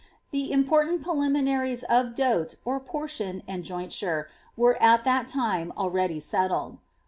The important preliminaries of dote (or portion) and jointure were at that time already settled.